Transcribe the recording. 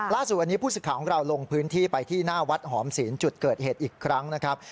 ล่าสุดอันนี้ผู้สิทธิ์ของเราลงพื้นที่ไปที่หน้าวัดหอมศีลจุดเกิดเหตุอีกครั้งนะครับ